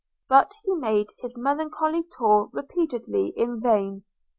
But he made his melancholy tour repeatedly in vain.